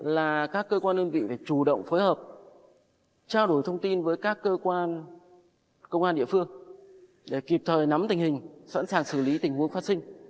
là các cơ quan đơn vị phải chủ động phối hợp trao đổi thông tin với các cơ quan công an địa phương để kịp thời nắm tình hình sẵn sàng xử lý tình huống phát sinh